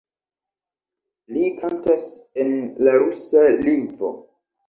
Li kantas en la rusa lingvo.